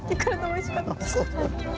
おいしかった。